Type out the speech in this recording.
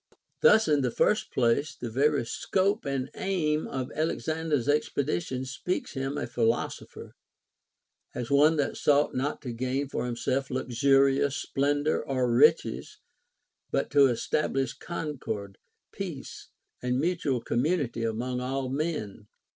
9. Thus, in the first place, the very scope and aim of Alexander's expedition speaks him a philosopher, as one that sought not to gain for himself luxurious splendor or riches, but to establish concord, peace, and mutual commu nity among all men.